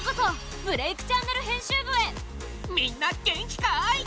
みんな元気かい？